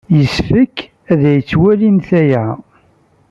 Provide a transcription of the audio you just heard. Yessefk ad twalimt aya.